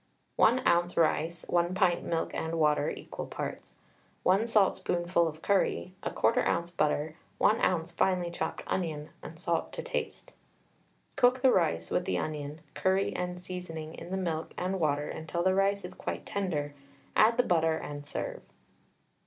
1 oz. rice, 1 pint milk and water (equal parts), 1 saltspoonful of curry, 1/4 oz. butter, 1 oz. finely chopped onion, salt to taste. Cook the rice with the onion, curry, and seasoning in the milk and water, until the rice is quite tender; add the butter, and serve.